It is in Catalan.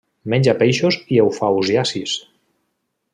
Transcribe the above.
Menja peixos i eufausiacis.